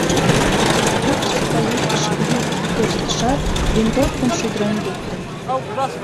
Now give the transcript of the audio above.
Фукс, каютыш юрт тӧрштышат, винтовкым шӱдырен лукто.